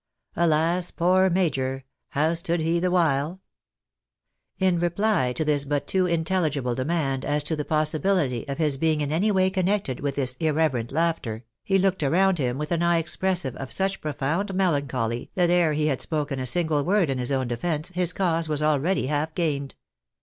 Alas, poor Major ! How stood he the while ? In reply to this but too intelligible demand, as to the possi bility of his being in any way connected with this irreverent laughter, he looked around him with an eye expressive of such pro found melancholy, that ere he had spoken a single word in his own defence, his cause was already half gained.